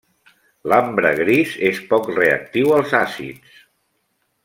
L'ambre gris és poc reactiu als àcids.